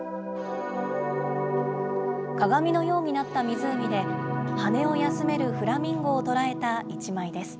鏡のようになった湖で、羽を休めるフラミンゴを捉えた一枚です。